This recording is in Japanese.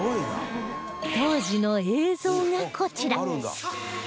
当時の映像がこちら